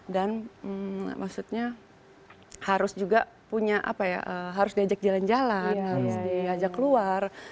dan maksudnya harus juga punya apa ya harus diajak jalan jalan harus diajak keluar